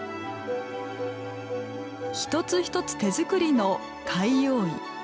一つ一つ手作りの貝覆い。